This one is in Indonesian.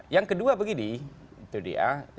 yang kedua begini